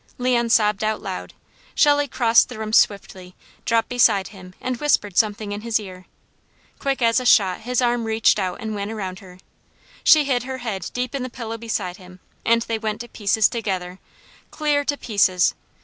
Leon sobbed out loud. Shelley crossed the room swiftly, dropped beside him and whispered something in his ear. Quick as a shot his arm reached out and went around her. She hid her head deep in the pillow beside him, and they went to pieces together. Clear to pieces!